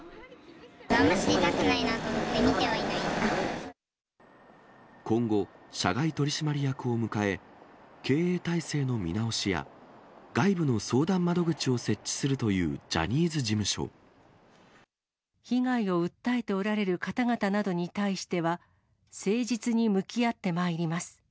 あんま知りたくないなと思っ今後、社外取締役を迎え、経営体制の見直しや、外部の相談窓口を設置す被害を訴えておられる方々などに対しては、誠実に向き合ってまいります。